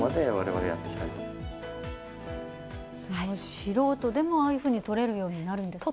素人でもああいうふうに撮れるようになるんですね。